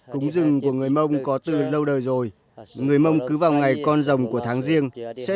cúng rừng của người mông có từ lâu đời rồi người mông cứ vào ngày con rồng của tháng riêng sẽ